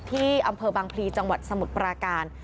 ที่อำเภอบางพลีจังหวัดสมุทรปราการ